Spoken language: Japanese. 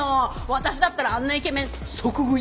私だったらあんなイケメン即食い。